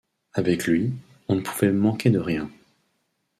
Avec lui, on ne pouvait manquer de rien